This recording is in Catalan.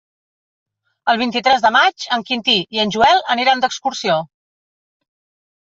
El vint-i-tres de maig en Quintí i en Joel aniran d'excursió.